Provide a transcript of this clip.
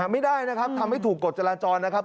ไม่ได้นะครับทำให้ถูกกฎจราจรนะครับ